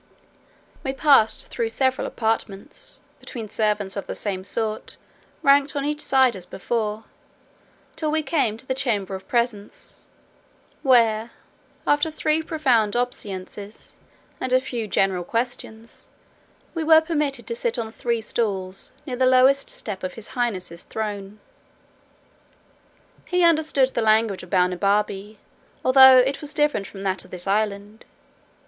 We passed through several apartments, between servants of the same sort, ranked on each side as before, till we came to the chamber of presence; where, after three profound obeisances, and a few general questions, we were permitted to sit on three stools, near the lowest step of his highness's throne. He understood the language of Balnibarbi, although it was different from that of this island.